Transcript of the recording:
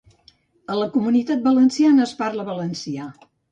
A la Comunitat Valenciana es parla valencià.